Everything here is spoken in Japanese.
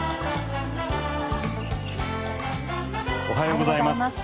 おはようございます。